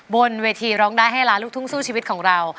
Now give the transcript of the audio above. บนเวทีร้องได้ให้ล้านลูกทุ่งสู้ชีวิตของเรา